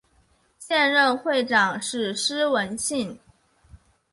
现任会长是施文信。